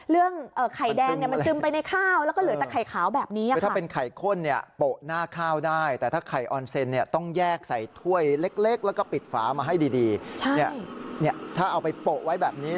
เรื่องไข่แดงมันซึมไปในข้าวแล้วก็เหลือแต่ไข่ขาวแบบนี้